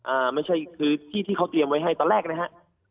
อ่าไม่ใช่คือที่ที่เขาเตรียมไว้ให้ตอนแรกนะฮะ